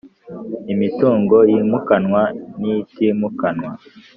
Imitungo yimukanwa n itimukanwa